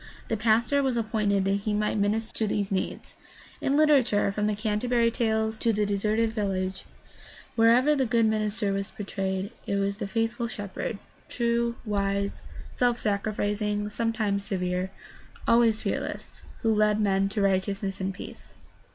The pastor was appointed that he might minister to these needs. In literature, from the Canterbury Tales to The Deserted Village, wherever the good minister was portrayed it was the faith ful shepherd, true, wise, self sacrificing, sometimes severe, always fearless, who led men to righteousness and peace.